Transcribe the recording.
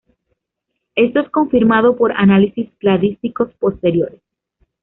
Esto es confirmado por análisis cladísticos posteriores.